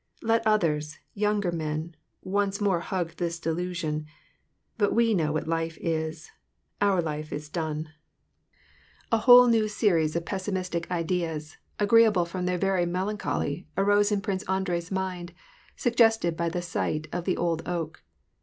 " Let others, younger men, once more hug this delusion ; but we know what life is j our life is done," WAR AND PEACE. 157 A whole new series of pessimistic ideas, agreeable from their very melancholy, arose in Prince Andrei's mind, suggested by the sight of the old oak.